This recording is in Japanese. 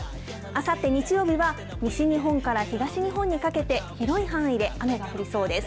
あさって日曜日は、西日本から東日本にかけて、広い範囲で雨が降りそうです。